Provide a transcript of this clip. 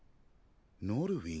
ノルウィン。